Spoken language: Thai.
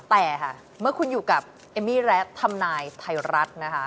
แต่ค่ะเมื่อคุณอยู่กับเอมมี่และทำนายไทยรัฐนะคะ